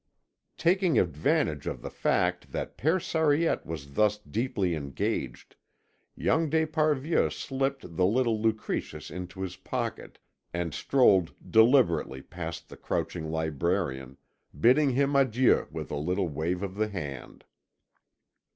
Taking advantage of the fact that Père Sariette was thus deeply engaged, young d'Esparvieu slipped the little Lucretius into his pocket, and strolled deliberately past the crouching librarian, bidding him adieu with a little wave of the hand.